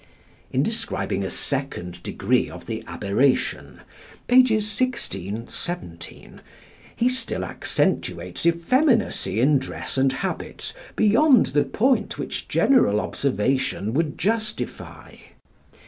In describing a second degree of the aberration (pp. 16, 17), he still accentuates effeminacy in dress and habits beyond the point which general observation would justify.